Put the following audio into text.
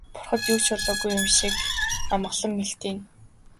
Бурхад юу ч болоогүй юм шиг амгалан мэлтийнэ.